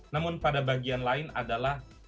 namun pada bagian lain adalah